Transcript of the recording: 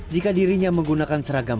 jika dirinya menggunakan seragam